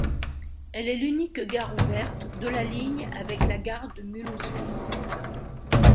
Elle est l'unique gare ouverte de la ligne avec la gare de Mulhouse-Ville.